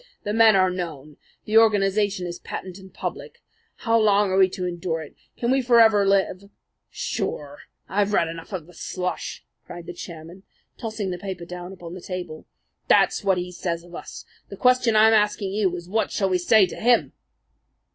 The men are known. The organization is patent and public. How long are we to endure it? Can we forever live "Sure, I've read enough of the slush!" cried the chairman, tossing the paper down upon the table. "That's what he says of us. The question I'm asking you is what shall we say to him?"